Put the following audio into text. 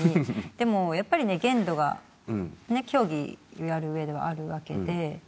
でもやっぱりね限度が競技をやる上ではあるわけで。